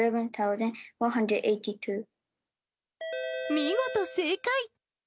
見事、正解。